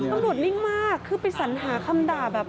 นิ่งมากคือไปสัญหาคำด่าแบบ